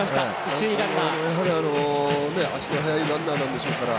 やはり、足の速いランナーでしょうから。